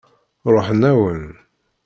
Ṛuḥen-awen.